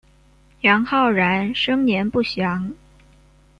杨浩然生年不详。